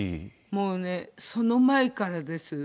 もうね、その前からです。